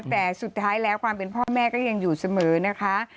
แต่สุดท้ายแล้วความเป็นพ่อแม่ก็ยังอยู่เสมอนะคะ